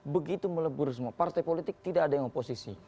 begitu melebur semua partai politik tidak ada yang oposisi